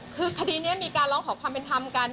คือคดีนี้มีการร้องขอความเป็นธรรมกัน